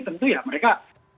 tentu ya mereka